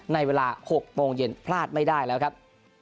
ในเวลา๖โมงเย็นพลาดไม่ได้แล้วครับ